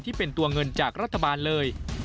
ที่เป็นตัวเงินจากรัฐบาลเลย